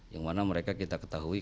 yang mana mereka kita ketahui